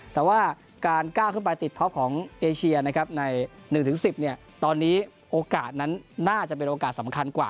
แต่ว่าการก้าวขึ้นไปติดท็อปของเอเชียนะครับใน๑๑๐ตอนนี้โอกาสนั้นน่าจะเป็นโอกาสสำคัญกว่า